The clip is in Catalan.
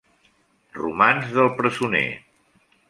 Romanç del presoner.